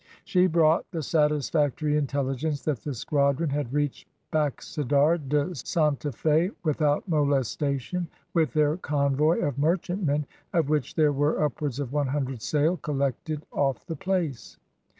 She brought the satisfactory intelligence that the squadron had reached Baxadar de Santa Fe without molestation, with their convoy of merchantmen, of which there were upwards of one hundred sail, collected off the place.